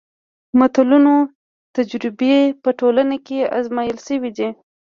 د متلونو تجربې په ټولنه کې ازمایل شوي دي